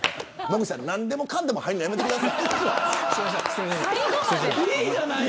野口さん、何でもかんでも入るのやめてください。